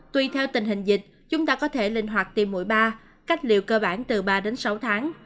tùy theo tình hình dịch chúng ta có thể linh hoạt tìm mũi ba cách liệu cơ bản từ ba đến sáu tháng